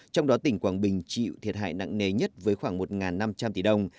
trong đó tỉnh quảng bình chịu thiệt hại nặng nề nhất với khoảng một năm trăm linh tỷ đồng